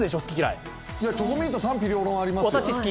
いや、チョコミント賛否両論ありますよ。